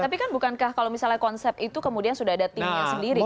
tapi kan bukankah kalau misalnya konsep itu kemudian sudah ada timnya sendiri